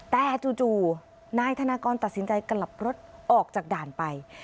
แต่จู่นายธนากรตัดสินใจกลับรถออกจากด่านไป